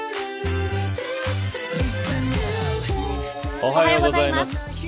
おはようございます。